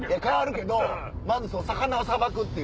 替わるけどまず魚をさばく。